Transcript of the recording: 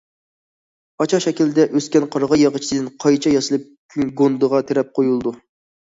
ئاچا شەكىلدە ئۆسكەن قارىغاي ياغىچىدىن قايچا ياسىلىپ گۇندىغا تىرەپ قويۇلىدۇ.